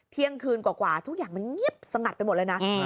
เที่ยงคืนกว่าทุกอย่างมันเงียบสงัดไปหมดเลยนะ